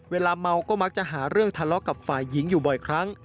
เวลาเมาก็มักจะหาเรื่องทะเลาะกับฝ่ายหญิงอยู่บ่อยครั้ง